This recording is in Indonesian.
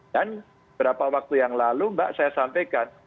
dan beberapa waktu yang lalu mbak saya sampaikan